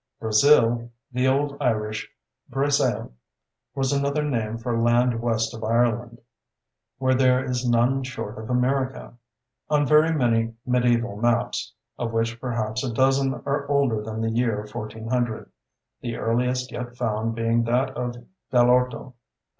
Brazil, the old Irish Breasail, was another name for land west of Ireland where there is none short of America on very many medieval maps, of which perhaps a dozen are older than the year 1400, the earliest yet found being that of Dalorto, 1325.